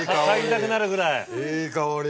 いい香り。